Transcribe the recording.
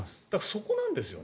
そこなんですよね。